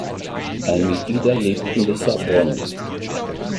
Almeida lebt in Lissabon.